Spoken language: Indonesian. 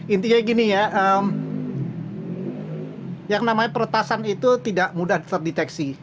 intinya gini ya yang namanya peretasan itu tidak mudah terdeteksi